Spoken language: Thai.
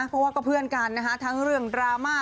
เพราะว่าก็เพื่อนกันนะคะทั้งเรื่องดราม่า